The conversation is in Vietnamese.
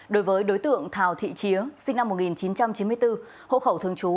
đối với đối tượng thào thị chía sinh năm một nghìn chín trăm chín mươi bốn hộ khẩu thường trú